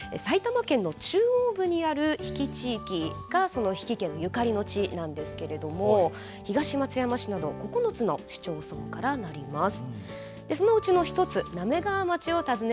埼玉県の中央部にある比企地域からその比企家のゆかりの地なんですけども東松山市など９つの市町村のからなります。